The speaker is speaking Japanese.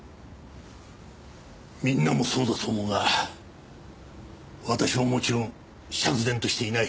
みんなもそうだと思うが私ももちろん釈然としていない。